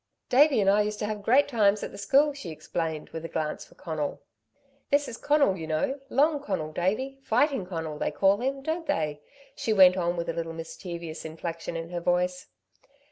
"Davey and I used to have great times at the school," she explained with a glance for Conal. "This is Conal, you know, Long Conal, Davey Fighting Conal they call him, don't they?" she went on with a little mischievous inflection in her voice.